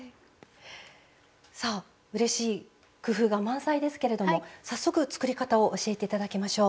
さあうれしい工夫が満載ですけれども早速作り方を教えて頂きましょう。